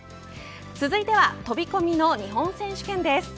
続いては飛込の日本選手権です。